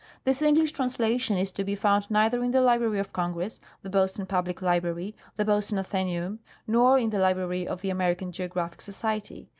This English translation is to be found neither in the Library of Congress, the Boston Public Library, the Boston Athenaeum, nor in the Librar}' of the American Geographic Society.